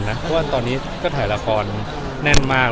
เพราะว่าตอนนี้ก็ถ่ายละครแน่นมาก